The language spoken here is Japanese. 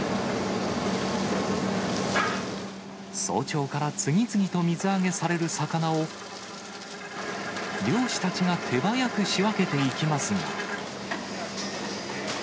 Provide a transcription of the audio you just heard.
早朝から次々と水揚げされる魚を、漁師たちが手早く仕分けていきますが。